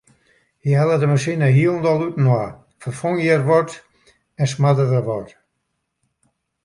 Hy helle de masine hielendal útinoar, ferfong hjir wat en smarde dêr wat.